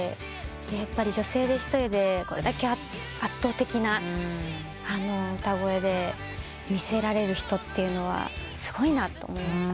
やっぱり女性で一人でこれだけ圧倒的な歌声でみせられる人ってすごいなと思いました。